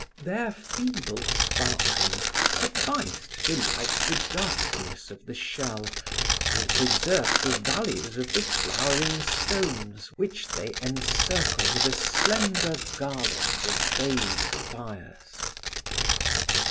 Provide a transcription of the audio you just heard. Their feeble sparklings sufficed to light the darkness of the shell and preserved the values of the flowering stones which they encircled with a slender garland of vague fires.